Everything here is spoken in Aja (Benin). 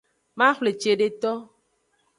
Maxwle cedeto.